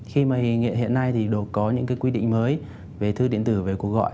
khi mà hiện nay thì đồ có những cái quy định mới về thư điện tử về cuộc gọi